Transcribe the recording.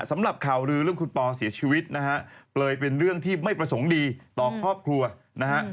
สำหรับข่าวลือเรื่องคุณปอเสียชีวิตนะฮะเลยเป็นเรื่องที่ไม่ประสงค์ดีต่อครอบครัวนะฮะ